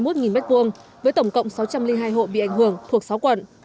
với tổng cộng sáu trăm linh hai hộ bị ảnh hưởng thuộc sáu quận